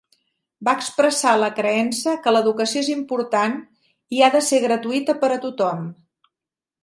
Va expressar la creença que l'educació és important i ha de ser gratuïta per a tothom.